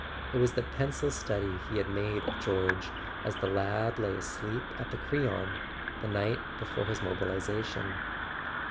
It was the pencil study he had made of George as the lad lay asleep at the Crillon, the night before his mobilisation.